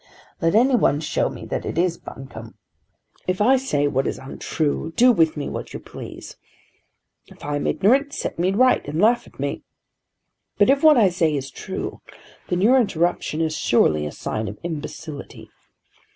"Let any one show me that it is Buncombe. If I say what is untrue, do with me what you please. If I am ignorant, set me right and laugh at me. But if what I say is true, then your interruption is surely a sign of imbecility.